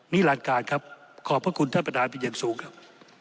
นี่หลักการครับขอบพระคุณท่านประธานเป็นอย่างสูงครับ